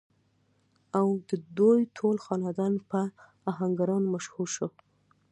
او ددوي ټول خاندان پۀ اهنګرانو مشهور شو ۔